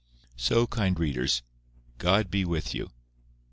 So, kind readers, God be with you.